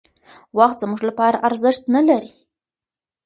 وخت زموږ لپاره ارزښت نهلري.